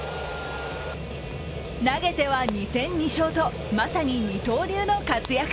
投げては２戦２勝と、まさに二刀流の活躍。